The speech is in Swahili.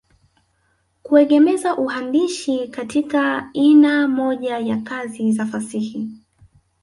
Kuegemeza uandishi katika ina moja ya kazi za fasihi